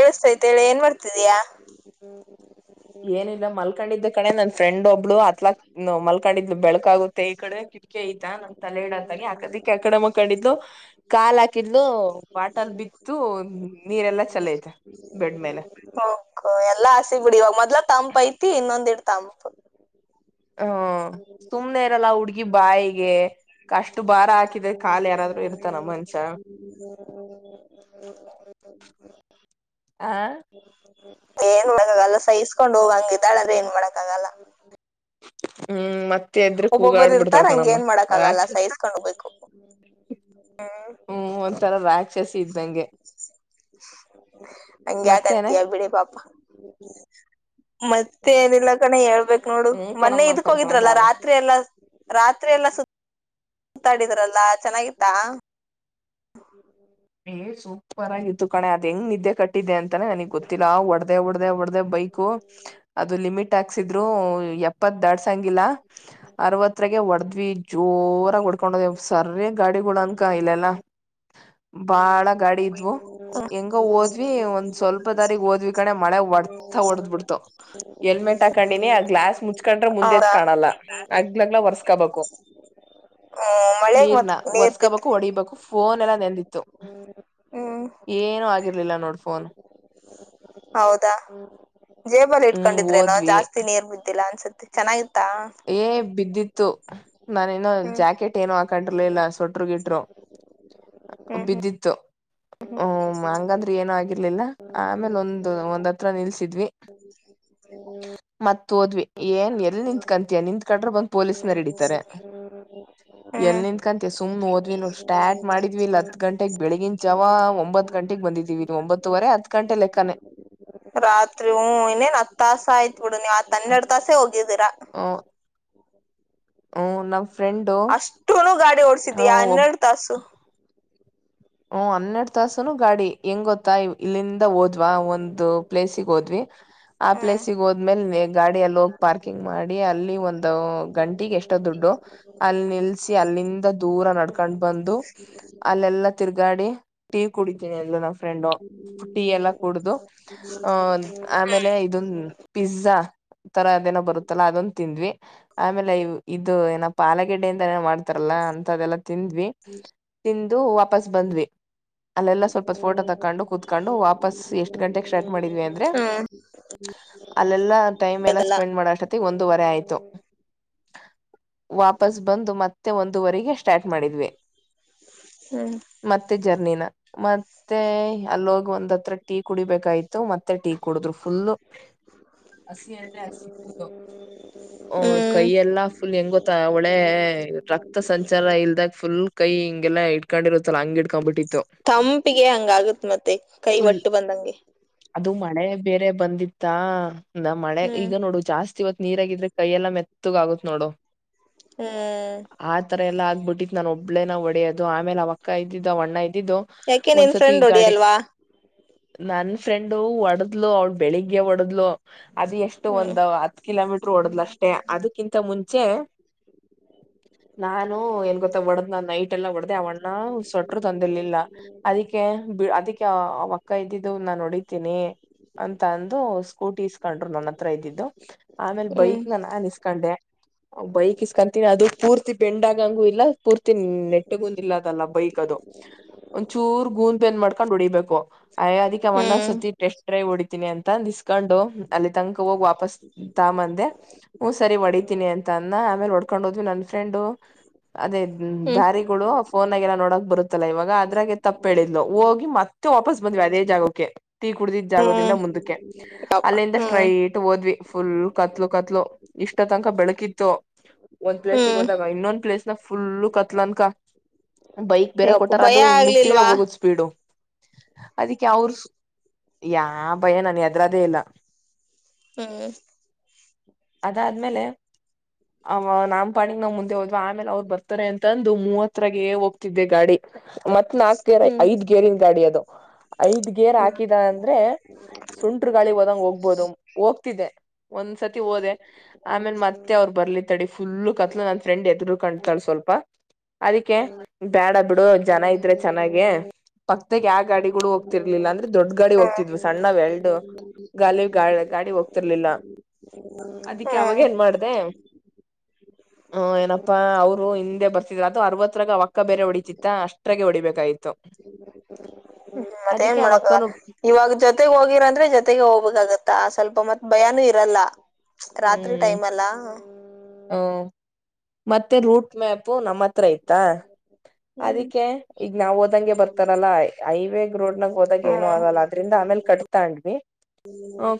ಕಸ್ತೈತ ಹೇಳಿ ಏನ್ ಬರ್ತಿದಯಾ ಏನಿಲ್ಲ ಮಲ್ಕೊಂಡಿದ್ದ ಕಡೆೆ ನನ್ ಫ್ರೆಂಡ್ ಒಬ್ಬ ಅತ್ಲಾಕ್ ಮಲ್ಕೊಂಡಿದ್ ಬೆಳಕ ಆಗುತ್ತೆ ಈ ಕಡೆ ಕಿಕಿ ಐತ ನಮ್ ತಲೆದ ಆಡೆ ಕಂಡಿದ್ದು ಹಕಲು ವಾಟಲ್ ಬಿತ್ತು ನೀರೆಲ್ಲಾ ಚಲೈತೆ ಬೆಡ್್ಮೇಲೆ ಹೋಗು ಎಲ್ಲಾ ಹಸಿ ಬಿಡಿ ಇವಾಗ ಮೊದ್ ತಂಪ್ ಐತಿ ಇನ್ನೊಂದಡ್ ತಂಪ ಹ ಸುಮ್ನೆ ಇರಲ್ಲ ಹುಡ್ಗಿ ಬಾಯಿಗೆ ಕಷ್ಟು ಭಾರ ಹಾಕಿದೆ ಕಾಲು ಯಾರಾದ್ರು ಇರ್ತಾನ ಮನ್ಷ ಹ್ಮ ಆ ಏನ್ ಮಾಡಕ್ಕ ಆಾಗಲ್ಲ ಸಹಿಸಸ್ಕೊಂಡ್ ಹೋಗಂಗ ಇದಿದ್ದಾಳ್ರೆ ಏನ್ ಮಾಡಕ್ಕ ಆಗಲ್ಲ ಹ್ಮ್ ಮತ್ತೆ ಎದ್ರ ಒಬ್ಬೊಬ್ಬರು ಕೂಗಾಡ್ ಇರ್ತಾರ ಹಂಗ ಬಿಿಡ್ತೊಳ್ಕಣಮ್ಮಾ ಏನ್ ಮಾಡಕ್ ಆಗಲ್ಲ ಸಹಿಸ್ಕೊಂಡ್ ಹೋಗ್ಬೇಕು ಹ್ಮ್ ಒಂಥರ ರಾಕ್ಷಸಿ ಇದ ನಂಗೆ ಹಂಗ ಯ್ದ ಅಂತಯ ಬಿಡಿ ಪಾಪ ಮತ್ ಏನಿಲ್ಲ ಕಣ ಹೇಳ್ಬೇಕಕ್ ನೋಡು ಹ್ಮ್ ಮೊನ್ನೆ ಕಣಮ್ಮ ತಡ್ಕಣಕ್ ಆಗಲ್ಲ ರಾತ್ರಿ ರಾತ್ರಿ ಎಲ್ಲಾ ಸ ಸುತ್ತಾಡಿದ್ರಲ್ಲ ಚೆನ್ನಾಗಿತ್ತಾ ಏ [inaudible] ಸೂಪರ್ ಆಗಿತ್ತು ಕಣೆ ಅದ ಹೆಂಗ್ ನಿದ್ದೆ ಕಟ್ಟ ಇಟ್ಟಿದೆ ಅಂತಾನ ನನಗ್ ಗೊತ್ತಿಲ್ಲ ಒಡೆದ ಹೊಡೆದ ಹೊಡದ ಬೈಕ್ು ಅದು ಲಿಮಿಟ್ ಹಾಕ್ಸಿದ್ರು ಎಡ್ಂಗಿಲ್ಲ ಅ ಒ ಜೋರಾಗ ಹೊಡ್ಕೊಂಡದ್ ಸರಿಯ ಗಾಡಿಗಳ ಅಂಕ ಇಲ್ಲಲ್ಲ ಬಾಳ ಗಾಡಿ ಇದ್ವು ಹೆಂಗ ಓದ್ವಿ ಒಂದ್ ಸ್ವಲ್ಪ ದಾರಿ ಓದ್ವಿ ಕಡೆ ಮಳೆ ಬರ್ತ ತಗಡದ್ ಬಿಡ್ತು ಎಲ್ಮೆಟ್ ಹಾಕೊಂಡಿನಿ ಆ ಗ್ಲಾಸ್ ಮುಚ್ಕೊಂಡ್ರೆ ಮುಂದೆದ ಹೌದಾ ಕಾಣಲ್ಲ ಆಗ್ಲಗ್ಲ ಒರ್ಸ್ಕೋಬೇಕು ಹ್ಮ್ ಮಳೆಗ್ ಮತ್ ನೀರ್ನ ನೀರ್ ಒರ್ಸ್ಕೋಬೇಕು ಬಿದ್ರಿ ಹೊಡಗಬೇಕು ಫೋನ್ ಎಲ್ಲ ನೆಂದಿ ಹ್ಮ್ ಏನುೂ ಆಗಿರ್ಲಿಲ್ಲ ನೋಡ್ ಫೋನ್ ಹೌದಾ ಜೇಬಲ್ ಹ್ಮ್ ಇಟ್ಕೊಂಡಿದ್ರೇನೋ ಓದ್ವಿ ಜಾಸ್ತಿ ನೀರ್ ಬಿದ್ದಿಲ್ಲ ಅನ್ಸತ್ತೆ ಚೆನ್ನಾಗಿ ಏ ಬಿದ್ದಿತ್ತು ನಾನೇನು ಜಾಕೆಟ್ ಏನು ಹಾಕೊಂಡರ್ಲ ಇಿಲ್ಲ ಸೊಟ್ರುಗಿಟ್ರು ಬಿದ್ದಿತ್ತು ಹ ಇರ್ಲಿಲ್ಲ ಆಮೇಲೆ ಒಂದು ಒಂದ್ ಹತ್ರ ನಿಲ್ಸಿದ್ವಿ ್ಮ ತೋದ್ವಿ ಏನ್ ಎಲ್ಲಿ ನಿಂತತ್ ಕಂತಿಯ ನಿಂತತ್ ಕಡ್ರೆ ಬಂತ ಎಲ್ ನಿಂತ್ಕಂತೀಯ ಹ ಹತ್ತು ಗಂಟೆಗೆ ಬೆಳಿಗಿನ ಜಾವ ಒಂಬತ್ ಗಂಟೆಗೆಗ್ ಬಂದಿದ್ದೀವಿ ನೀವು ಒಂಬತ್ತುವರೆ ಹತ್ ಗಂಟೆ ಲೆಕ್ಕನೆ ರಾತ್ರಿ ಹೂ ಇನ್ನೇನ್ ಹತ್ ತಾಸ ಆಯ್ತ್ ಬಿಡು ನೀವ್ ಆತ್ ಹನ್ನೆರಡು ತಾಸೆ ಹೋಗಿದ್ದೀರಾ ಹ ಹ ನ ಅಷ್ಟುನು ಗಾಡಿ ಓಡ್ಸಿದೀಯಾ ಹನ್ನೆರಡು ತಾಸು ಹ ಹನ್ನೆರಡ್ ತಾಸನು ಗಾಡಿ ಹೆಂಗ ಗೊತ್ತಾ ಇಲ್ಲಿಂದ ಓದ್ವಾ ಒಂದು ಪ್ಲೇಸಗ್ ಹೋದ್ವಿ ಆ ಹ್ಮ್ ಪ್ಲೇಸಿಗೆ ಹೋದ್ಮೇಲೆ ಗಾಡಿ ಎಲ್ಲಿ ಹೋಗಿ ಪಾರ್ಕಿಂಗ್ ಮಾಡಿ ಅಲ್ಲಿ ಒಂದು ಗಂಟಿಗೆ ಎಷ್ಟೊಡ್ ದು ಅಲ್ಲಿ ನಿಲ್ಲಸಿ ಅಲ್ಲಿಂದ ದೂರ ನಡ್ಕೊಂಡ್ ಬಂದು ಅಲ್ಲೆಲ್ಲ ತಿರ್ಗ ಾಡಿ ಟೀ ಕುಡಿತೀನಿ ಎಲ್ ನಮ್ಮ ಫ್ರೆಂಡು ಟೀ ಎಲ್ಲ ಕುಡು ಅಹ ಆಮೇಲೆ ಇದೊನ್ ಪಿಜ್ಜಾ ತರ ಅದೇನೋ ಬರುತ್ತಲ್ಲಾ ಅದೊಂದು ತಿಂದ್ವಿ ಆಮೇಲೆ ಇದು ಏನ ಪಲಗಡ್ಡೆಯಿಂದ ಏನೋ ಮಾಡ್ತಾರಲ್ಲ ಲ್ಲ ಅಂತ ಅದೆಲ್ಲ ತಿಂದ್ವಿ ತಿಂದು ವಾಪಸ್ ಬಂದ್ವಿ ಅಲ್ಲೆಲ್ಲ ಸ್ವಲ್ಪ ಫೋಟೋ ತಕ್ಕೊಂಡು ಕೂತ್ಕೊಂಡು ವಾಪಸ್ ಎಷ್ಟು ಗಂಟೆಗೆ ಸ್ಟರ್ಟ್ ಮಾಡಿದೀವಿ ಅಂದ್ರೆ ಹ್ಮ್ ಅಲ್ಲೆಲ್ಲಾ ಟೈಮ್ ಎಲ್ಲ ಅದಲ್ಲ ಸ್ಪೆಂಡ್ ಮಾಡತಿ ಒಂದುವರೆ ಆಯ್ತು ವಾಪಸ್ ಬಂದು ಮತ್ತೆ ಒಂದುವರೆಗೆ ಸ್ಟಾರ್ಟ್ ಮಾಡಿದ್ವೆ ಹ್ಮ್ ಮತ್ತೆ ಜರ್ನಿನ ಮತ್ತೆ ಅಲ್ಲೋಗ ಒಂದ್ತ್ರ ಟಿವ ಕುಡಿಬೇಕಾಯ್ತು ಮತ್ತೆ ಟೀ ಕುಡಿದ್ರು ಫು ಹ ಹ ಹ್ಮ್ ಕೈಯ ಎಲ್ಲಾ ಫುಲ್ ಹೆಂಗ ಗೊತ್ತ ಒಳೆ ರಕ್ತ ಸಂಚಾರ ಇಲ್ದಾಗ ಫುಲ್ ಕೈ ಹಂಗೆಲ್ಲ ಇಕೊಂಡಿರುತ್ತಲ್ಲ ಹಂಗ್ ಇಟ್ಕೊ್ ಬಿಟ್ಟತ್ತು ತಂಪಿಗೆ ಹಂಗ ಆಗತ್ ಮತ್ತೆ ಕೈ ಫುಲ್ ಒಟ್ಟು ಬಂದಂಗೆ ಅದು ಮಳೆ ಬೇರೆ ಬಂದಿತ್ತಾ ನ ಮಳೆ ಹ್ಮ್ ಈಗ ನೋಡು ಜಾಸ್ತಿ ಇತ್ತು ನೀರಗಿದ್ರೆ ಕೈಯ ಎಲ್ಲ ಮೆತ್ತಗ ಆಗತ್ ನೋಡು ಹ್ಮ್ ಆ ತರ ಎಲ್ಲ ಬ ಬಿಟ್ಟಿತ್ ನಾನನ್ ಒಬ್ಳೇನ ಒಡೆಯೋದು ಆಮೇಲೆ ಅವಕ್ಕ ಇದ್ದಿದ್ದ ಅವಣ್ಣಯ್ ಇದು ಯಾಕೆ ನಿನ್ ಒಂದ್ಸತಿ ಈ ಫ್ರೆಂಡ್ ಗಾಡಿ ಹೊಡಿಯಲ್ವಾ ನನ್ ಫ್ರೆಂಡು ಒಡದ್ಲು ಅವಳ ಬೆಳಿಗ್ಗೆ ಒಡದ್ಲು ಅದು ಎಷ್ಟು ಹ್ಮ್ ಒಂದ ಹತ್ ಕಿಲೋಮೀಟರ್ ಓಡದ್ಲಷ್ಟೇ ಅದಕ್ಕಿಂತ ಮುಂಚೆ ನಾನು ಏನ್ ಗೊತ್ತ ಒಡದ್ ನ ನೈಟ್ ಎಲ್ಲ ಒಡ್ದ ಅವ ಹ ಸೊಟ್ರು ತೊಂದಿರ್ಲಿಲ್ಲ ಅದಕ್ಕೆ ಅದಕ್ಕೆ ಕೈ್ದಿದ್ದು ನಾ ಹೊಡಿತೀನಿ ಅಂತ ಅಂದು ಸ್ಕೂಟಿ ಇಸ್ಕೊಂಡ್ರು ನನ್ನ ಹತ್ರ ಇದ್ದಿದ್ದು ಆಮೇಲ್ ಹ್ಮ್ ಬೈಕ್ ನ ನಾನ್ ಇಸ್ಕೊಂಡೆ ಬೈಕ್ ಇಸ್ಕತೀನಿ ಅದು ಪೂರ್ತಿ ಬೆಂಡಗಂಗು ಇಲ್ಲ ಪೂರ್ತಿ ನೆಟ್ಟಗು ಇಲ್ಲದಲ್ಲ ಬೈಕ್ ಅದು ಒಂದ್ಚೂರ್ ಗೂಂದ್ಪೇನ್ ಮಾಡ್ಕೊಂಡ್ ಹೊಡಿಬೇಕು ಅಯ ಅಿಕ ಮಣ್ಣ ಹ್ಮ್ ಸರ್ತಿ ಟೆಸ್ಟ್ರೈ ಹೊಡಿತೀನಿ ಅಂತ ಅಂದಿಸ್ ಕಂಡು ಅಲ್ಲಿ ತನಕ್ ಹೋಗಿ ವಾಪಸ್ ತ ಮಂದೆ ಹ್ಮಞ ಸರಿ ಹೊಡಿತೀನಿ ಅಂತ ಅನ್ನ ಆಮೇಲೆ ಹೊಡ್ಕೊಂಡ್ ಹೋದ್ವಿ ನನ್ ಫ್ರೆಂಡು ಅದೇ ಹ್ಮ್ ದಾರಿಗಳು ಫೋನ್ಾಗೆಲ್ಲ ನೋಡಕ್ ಬರುತ್ತಲ್ಲ ಇವಾಗ ಅದ್ರಾಗೆ ತಪ್ಪ ಹೇಳಿದ್ಲು ಹೋಗಿ ಮತ್ತ ವಾಪಸ್ ಬಂದ್ವಿ ಅದೇ ಜಾಗಕ್ಕೆ ತೀ ಕುಡಿದ ಜಾಗದಿಂದ ಹ್ಮ್ ಮುಂದಕ್ಕೆ ಯಪ್ಪ ಅಲ್ಲಿಂದ ಹ್ಮ್ ಸ್ಟ್ರೈಟ್ ಓದ್ವಿ ಫುಲ್ ಕತ್ಲು ಕತ್ಲು ಇಷ್ಟ ತನಕ ಬೆಳಕಿತ್ತು ಒಂದ್ ಪ್ಲೇಸ್ಿಗೆ ಹ್ಮ್ ಹೋದಾಗ ಇನ್ನೊಂದ್ ಪ್ಲೇಸ್ ಫುಲ್ಲ ಕತ್ಲನ್ಕ ಬೈಕ್ ಬೇರೆ ಯಪ್ಪ ಕೊಟಾರ ಭಯ ಅದು ಹಿಂಗ ಮುಟ್ಟಿದ್ರ ಆಗ್ಲಿಲ್ವಾ ಹೋಗದ್ ಸ್ಪೀಡು ಅದಿಕ್ಕೆ ಅವಾವರು ಯಾ ಭಯ ನನ್ ಹೆದ್ರದೇ ಇಲ್ಲ ಹಾ ಅದಾದ್ಮೇಲೆ ಅವ ನಾಾಮಪಾಣಿಗ್ ನಾವ್ ಮುಂದೆ ಹೋದ್ವ ಆಮೇಲೆ ಅವ್ರು ಬರ್ತಾರೆ ಅಂತಂದು ಮೂವತ್ ಹತ್ರಾಗ ಹೋಗ್ತಿದ್ದೆ ಗಾಡಿ ಮತ್ ನಾಕ್ು ಗೇರ್ ಹ್ಮ್ ಐದ್ ಗೇರಿನ್ ಗಾಡಿ ಅದು ಐದ್ ಗೇರ್ ಹಾಕಿದ ಅಂದ್ರೆ ಸುಂಟ್ರ ಗಾಳಿಗೆ ಹೋದಂಗ ಹೋಗ್ಬೋದು ಹೋಗ್ತಿದ್ದೆ ಒಂದ್ಸತಿ ಹೋದೆ ಆಮೇಲೆ ಮತ್ತೆ ಅವ್ರು ಬರ್ಲಿತ್ತಡಿ ಫುಲ್ು ಕತ್ಲು ನನ್ ಫ್ರೆಂಡ್ ಎತ್ತ ರು ಕಾಣ್ತಾಳ ಸ್ವಲ್ಪ ಅದಕ್ಕೆ ಬೇಡ ಬಿಡು ಜನ ಇದ್ರೆ ಚೆನ್ನಾಗ ಪಕ್ಕಾಗ ಆ ಗಾಡಿ ಕೂ ಹೋಗ್ತ ತಿರ್ಲಿಲ್ಲ ಅಂದ್ರೆ ದೊಡ್ಡ ಗಾಡಿ ಹ್ಮ್ ಹೋಗ್ತಿದ್ವಿ ಸಣ್ಣ ಎಲ್ಡು ಗಾಲ ಗಾ ಗಾಡಿ ಹೋಗ್ತಿರ್ಲಿಲ್ಲ ಅದಿಕ್ಕೆ ಅವಾಗ ಹ್ಮ್ ಏನ್ ಮಾಡ್ದ ಹ್ಮ ಏನಪ್ಪಾ ಅವರು ಹಿಂದೆ ಬರ್ತಿದ್ರ ಅರವತ್ತರಗ ಒಕ್ಕ ಬೇರೆ ಹೊಡತಿತ್ತ ಅಷ್ಟ್ರಗೆ ಹೊಡಿಬೇಕಾಯ್ತು ಮತ್ತ ಏನ್ ಮಾಡಕ ಇವಾಗ ಜೊತೆಗ್ ಹೋಗಿರಂದ್ರೆ ಜೊತೆಗೆ ಹೋಗ್ಬೇಕಾಗತ್ತಾ ಸ್ವಲ್ಪ ಮತ್ ಭಯಾನೂ ಇರಲ್ಲ ರಾತ್ರಿ ಹ್ಮ್ ಟೈಮ್ ಅಲ್ಲ ಹ್ಮ್ ಮತ್ತೆ ರೂಟ್ ಮ್ಯಾಪು ನಮ್ಮ ಹತ್ರ ಆಯತಾ ಅದಕ್ಕೆ ಈಗ ನಾವ್ ಓದಂಗೆ ಬರ್ತಾರಲ್ಲಾ ಹೈವೇ ರೋಡ್ನಾಗ ಹೋದಾಗ ಏನು ಹ್ಮ್ ಆಗಲ್ಲ ಅದ್ರಿಂದ ಆಮೇಲೆ ಕಟ್ತೊಂಡ್ವಿ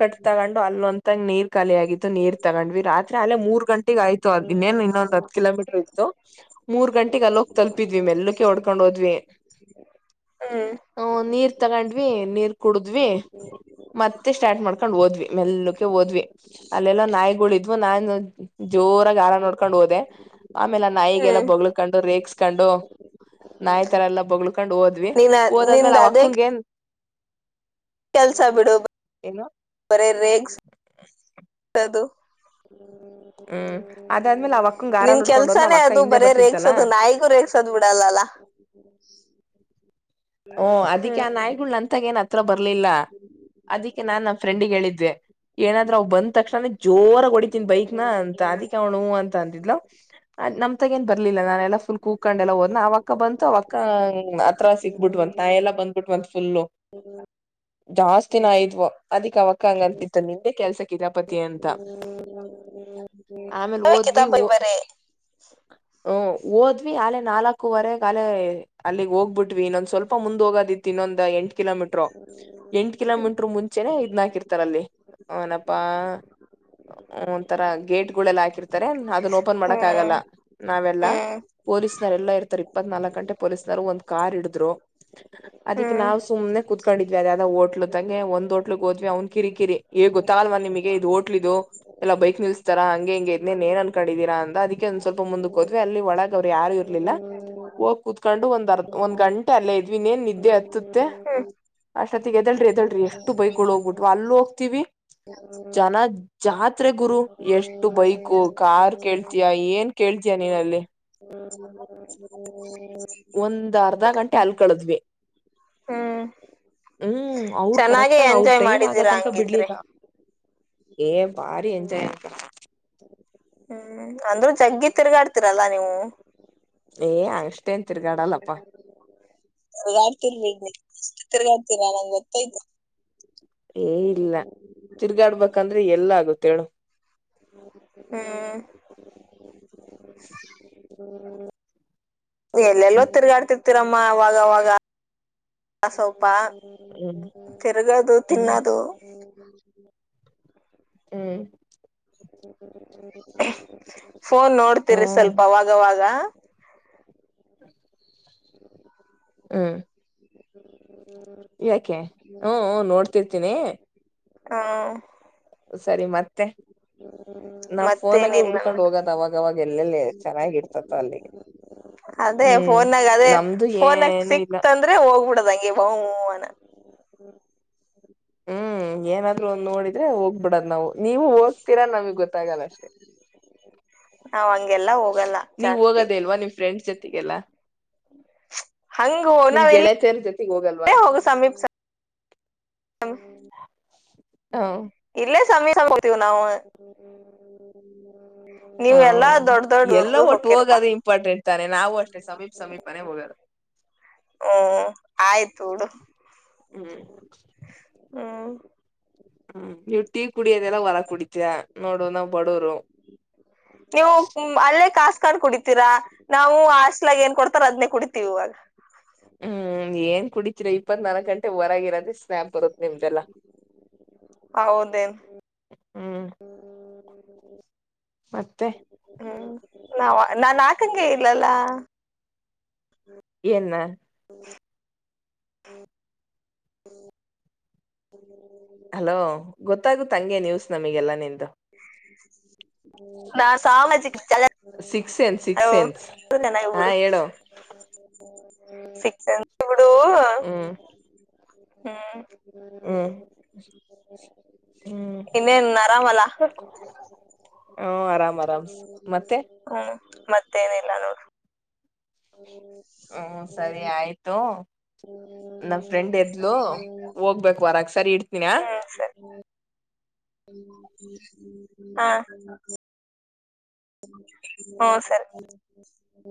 ಕಟ್ ತಗೊಂಡು ಅಲ್ಲಿಂಗ ನೀರ್ ಖಾಲಿ ಆಗ ನೀರ್ ತಗೊಂಡ್ವಿ ರಾತ್ರಿ ಅಲ್ಲೇ ಮೂರ್ ಗಂಟೆಗೆ ಆಯತು ಇನ್ನೇನ್ ಇನ್ನೊಂದು ಹತ್ತು ಕಿಲೋಮೀಟರ್ ಇತ್ತು ಮೂರ್ ಗಂಟೆ ಗಂಟಿಗೆ ಅಲ್ಲೋಗ ತಲ್ಪಿದ್ವಿ ಮೆಲ್ಲಕೆ ಹೊಡ್ಕೊಂಡ್ ಹೋದ್ವಿ ಹ್ಮ್ ಹ ನೀರ್ ತಗೊಂಡ್ವಿ ನೀರ್ ಕುಡಿದ್ವಿ ಮತ್ತೆ ಸ್ಟಾರ್ಟ್ ಮಾಡ್ಕೊಂಡ್ ಓದ್ವಿ ಮೆಲ್ಲಕೆ ಓದ್ವಿ ಅಲ್ಲೆಲ್ಲಾ ನಾಯಿಗಳಿದ್ವು ನಾನ್ ಜೋರಾಗಿ ಆಾರ ನೋಡ್ಕೊಂಡ್ ಹೋದೆ ಆಮೇಲೆ ನಾಯಿಗೆಲ್ಲಾ ಹ್ಮ್ ಬಳ್ಕೊಂಡು ರೇಕ್ಸ್ಕೊಂಡು ನಾಯಿ ತರ ಎಲ್ಲಾ ಬಳ್ಕು ಕಕೊಂಡ್ ಹೋದ್ವಿ ನೀನ್ ಓದಾದ್ಮೇಲೆ ನಿಂದ ಅವ ಅದೇ ಅಕ್ಕಂಗ ಏನ್ ಕೆಲ್ಸ ಬಿಡು ಏನು ಬರೇ ರೇಗ್ದು [inaudible] ಹ್ಮ್ ಅದಾದ್ಮೇಲೆ ಅವ ಅಕ್ಕಂಗ ಗಾರ ನಿನ್ ಉಡ್ಕೊಂಡ್ ಹೋದ್ನ ಅವ್ ಕೆಲ್ಸಾನೇ ಅಕ್ಕ ಅದು ಹಿಂದೆ ಬರೇ ಬರ್ತಿತ್ತಲ್ಲ ರೇಗ್ಸೋದು ಹ ಓ ಅದಿಕ್ಕೆ ಆ ನಾಯಿಗಳ ಅಂತಾಗ ಏನ ತ್ರ ಬರ್ಲಿಲ್ಲ ಅದಕ್ಕೆ ನಾನ್ ನಮ್ಮ ಫ್ರೆಂಡ್ಗೆ ಹೇಳಿದ್ದೆ ಏನಾದ್ರ ಅವವು ಬಂದ ತಕ್ಷಣ ಜೋರ ಹೊಡಿತನ್ ಬೈಕ್ನ ಅಂತ ಅದಕ್ಕೆ ಅವನು ಅಂತ ಅಂತಿದ್ಲ ನಮ ಏನ್ ಬರ್ಲಿಲ್ಲ ನಾನೆಲ್ಲಾ ಫುಲ್ ಕೂಕೊಂಡ ಎಲ್ಲಾ ಹೋದ್ ಆ ಅವಕ್ಕ ಬಂತು ಅವಕ್ಕ ಆ ಸಿ ಬಿಟ್ವಂತ ನಾಯ ಎಲ್ಲ ಬಂದ್ಬಿಟ್ ಒ ಫುಲ್ಲ ಜಾಸ್ತಿ ನ ಇದ್ವ ಅದಿಕ್ ಅವಕ್ಕ ಹಂಗ ಅನ್ತಿತ್ತು ನಿಂದೆ ಕೆಲ್ಸಕ್ದಪತಿ ಅಂತ ಆಮೇಲೆ ಓದ್ವಿ ಕಿತಾಬೈ ಬರೇ ಹ್ಮ ಓದ್ವಿ ಆಲೆ ನಾಲ್ಕುವರೆ ಕಾಲೇ ಅಲ್ಲಿಗ್ ಹೋಗ್ಬಿಟ್ಇನ್ನೊಂದ್ ಸ್ವಲ್ಪ ಮುಂದ್ ಹೋಗೋದಿತ್ತ ಇನ್ನೊಂದ್ ಎಂಟ ಕಿಲೋಮೀಟರು ಎಂಟು ಕಿಲೋಮೀಟ್ರ ಮುಂಚೆನೆ ಇದ್ ಹಾಕಿರ್ತಾರ ಅಲ್ಲಿ ಅವನಪಾ ಒಂಥರಾ ಗೇಟ್ ಗಳೆಲ್ಲ ಹಾಕಿರ್ತಾರೆ ಅದನ್ ಓಪನ್ ಮಾಡಕ್ ಹ್ಮ್ ಆಗಲ್ಲ ನಾವೆಲ್ಲ ಹ್ಮ್ ಪೋ ಎಲ್ಲ ಇರ್ತಾರೆ ಇಪ್ಪತಲ್ಕ ಗಂಟೆ ಪೊಲೀಸ್ನರು ಒಂದಂದು ಕಾರ್ಡ್ರು ಅದಿಕ್ ಹ್ಮ್ ನಾವವು ಸುಮ್ನೆ ಕುತ್ಕೊಂಡಿದ್ವಿ ಅದ ಯಾವ್ದ ಹೋಟ್ಲುದಾಗೆ ಒಂದ್ ಹೋಟ್ಲಹೋದ್ವಿ ಅವ್ನ್ ಕಿರಿ ಕಿರಿ ಗೊತ್ತಾ ಅಲ್ವಾ ನಿಮಗೆ ಇದು ಹೋಟ್ಲ್ ಇದು ಎಲ್ಲ ಬೈಕ್ ನಿಲ್ಸ್ ಹಂಗೆಮಗೆ ಇದ್ನ್ ಏನ್ ಕಡಿದೀರ ಅದಕ್ಕೆ ಒಂದ ಸ್ವಲ್ಪ ಮುಂದ ಹೋದ್ವಿ ಅ ಒಳಗ ಅವರು ಯಾರು ಇರ್ಲಿ ಹ್ಮ ಹೋಗ್ ಕೂತ್ಕೊಂಡು ಒಂದ್ ಅರ್ಧ ಒಂದ್ ಗಂಟೆ ಅಲ್ಲೇ ಇದ್ವಿನ್ನ್ ನಿದ್ದೆ ಎತ್ತುತ್ತೆ ಹ್ಮ್ ಅಷ್ಟೊತ್ತಿಗೆ ಎದಲ್ರಿ ಎದಲ್ ಎಷ್ಟು ಬೈಗಳು ಹೋಗ್ಬಿಟ್ವಾ ಅಲ್ಲೂ ಹೋಗ್ತಿವಿ ಜನ ಜಾತ್ರೆ ಗುರು ಎಷ್ಟು ಬೈಕು ಕಾರ್ ಕೇಳ್ತಯ ಏನ್ ಕೇಳ್ತಯ ಹ ಒಂದ್ ಅರ್ಧ ಗಂಟೆ ಅಲ್ ಕಳದ್ವಿ ಹ್ಮ್ ಹ್ಮ್ ಅವ್ರರು ಚೆನ್ನಾಗೆ ಕರೆಕ್ಟಗ ಅವ್ರ ಎಂಜಾಯ್ ಟೈಮ್ ಮಾಡಿದೀರಾ ಆಗತನಕ ಹಂಗಿದ್ರೆ ಬಿಡ್ಲಿಲ್ಲ ಏ ಬಾರಿ ಎಜಾಯ್ ಆತ ಹ್ಮ್ ಅಂದ್ರೂ ಜಗ್ಗಿ ತಿರ್ಗಾಡ್ತಿರಲ್ಲಾ ನೀವು ಏ ಅಷ್ಟೇನ್ ತಿರ್ಗಾಡಲ್ಲಪ್ಪ ಆಡ್ತಿರ್ ಇ ತಿರ್ಗಾಡ್ತೀರಾ ನಂಗ್ ಗೊತ್ತಾಯ್ತು ಏ ಇಲ್ಲ ತಿರ್ಗಾಡ್ಬೇಕಂದ್ರೆ ಎಲ್ಲ ಆಗುತ್ತ ಹೇಳು ಹ್ಮ್ [inaudible] ಹ್ಮ್ ಎಲ್ಲೆಲ್ಲೋ ತಿರ್ಗಾಡ್ತಿ ಹತ್ತಿರಮ್ಮ ಆಗವಾಗಸವಪ ಹ್ಮ್ ತಿರಗದು ಹ್ಮ್ ತಿನ್ನೋದು ಹ್ಮ್ ಫೋನ್ ನೋಡ್ತೀರಿ ಹ್ಮ್ ಸ್ವಲ್ಪ ಅವಾಗವಾಗ ಹ ಹ್ಮ ಯಾಕೆ ಹ್ಮ್ ನೋಡ್ತಿರ್ತೀನಿ ಹಾ ಸರಿ ಮತ್ತೆ ನಾವ್ ಫೋನ್ ಆಗಿ ಮತ್ತೇನಿಲ್ಲ ಉಡ್ಕೊಂಡ್ ಹೋಗೋದ ಅವಾಗವಾಗ ಎಲ್ಲೆಲ್ಲಿ ಚೆನ್ನಾಗಿ ಇರ್ತತ್ತು ಅಲ್ಲಿಗೆ ಅದೇ ಹ್ಮ್ ಫೋನ್ಗ ಅದೇ ನಮ್ದು ಫೋನ್ಗ ಏನು ಇಲ್ಲ ಸಿಕ್ತ ಅಂದ್ರೆ ಹೋಗ್ಬಿಡದಂಗ ಹಗೆಣ ಹ್ಮ ಹ್ಮ್ ಏನಾದ್ರು ಒ ನೋಡಿದ್ರೆ ಹೋಗ್ಬಿಡದ್ ನಾವು ನೀವು ಹೋಗ್ತೀರಾ ನಮಗ್ ಗೊತ್ತಾಗಲ್ಲ ಅಷ್ಟೇ ನಾವ್ ಹಂಗೆಲ್ಲ ಹೋಗಲ್ಲ ಜಾಸ್ತಿ ಗಗೆಲ್ಲ ಹಂಗ ನಿಮ್ ನಾವ್ ಗೆಳೆತಿಯರ ಜೊತೆಗೆ ಹೋಗಲ್ವಾ ಹ ಇಲ್ಲ ಸಮಯ ತಿ ನವು [inaudible] ಹ್ಮ ಎಲ್ಲ ಒಟ್ಟು ಹೋಕಿರಪಾ ಹೋಗದ ಇಂಪಾರ್ಟೆಂಟ್ ತಾನೆ ನಾವು ಅಷ್ಟೇ ಸಮೀಪ ಸಮೀಪನೇ ಹೋಗದು [inaudible] ಹಓ ಆಯ್ತು ಡು ಹ್ಮ್ ಹ್ಮ್ ಹ್ಮ್ ನೀವು ಟೀ ಕುಡಿಯದೆಲ್ಲ ಹೊರ ಕುಡಿತಿಯ ನೋಡು ನ ಬ ನೀವು ಅಲ್ಲೇ ಕಸ್ ಕಂಡ್ ಕುಡಿತೀರಾ ನಾವು ಆಸ್ಟ್ಲಾಗ ಏನ್ ಕೊಡ್ತಾರ ಅದನ್ನೇ ಕುಡಿತೀವಿ ಇವಾಗ ಹ್ಮ್ ಏನ್ ಕುಡಿತರಿ ಇಪ್ಪತ್ತ್ನಾಾಲ್ಕಕ್ ಗಂಟೆ ಹೊರಗೆ ಇರದೆ ಸ್ನ್ಯಪ್ ಬರುತ್ತತ್ ನಿಮ್ದೆಲ್ಲ ಹೌದನ್ ಹ್ಮ್ ಮತ್ತೆ ನ ನಾ ಆಕಂಗೆ ಇಲ್ಲಲ್ಲ ಏನ್ ನಾ ಹ್ಮ ಹಲೋ ಗೊತ್ತಾಗುತ್ತ ಹಂಗೆ ನ್ಯೂಸ್ ನಮಗೆಲ್ಲ ನೀ ನಾ ಸಾವ ಚ [unintelligible] ಸಿಕ್ಸ್ ಸೆನ್ಸ್ ಹಾಗ ಸಿಕ್ಸ್ ಸೆನ್ಸ್ ಹಾ ಹೇಳು ಬಿಡು ಹ್ಮ್ ಹ್ಮ ಹ್ಮ್ ಹ್ಮ ಹ್ಮ್ ಇನ್ನೇ ನರಾಮಲ ಹ್ಮ ಆರಾಮ್ ಆರಾಮ್ ಮತ್ತೆ ಹ್ಮ್ ಮತ್ತೇನಿಲ್ಲ ನೋಡು ಹ್ಮ ಸರಿ ಆಯ್ತು ನಮ್ ಫ್ರೆಂಡ್ ಎದ್ಲು ಹೋಗ್ಬೇಕು ವರಕ್ ಸರಿ ಇಡ್ತ ಹ್ಮರಿ ಹ ಹ್ಮ ಸರಿ